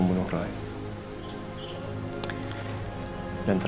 andin udah tidur